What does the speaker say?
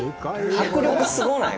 迫力すごない？